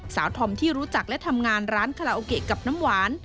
ธอมที่รู้จักและทำงานร้านคาราโอเกะกับน้ำหวาน